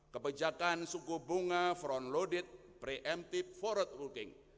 kebijakan suku bunga front lowded preemptive forward working